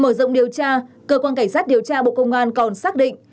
mở rộng điều tra cơ quan cảnh sát điều tra bộ công an còn xác định